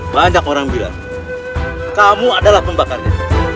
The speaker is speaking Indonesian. banyak orang bilang kamu adalah pembakarnya